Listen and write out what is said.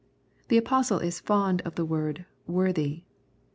The Apostle is fond of the word " worthy."